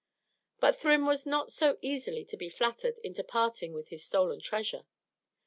But Thrym was not so easily to be flattered into parting with his stolen treasure.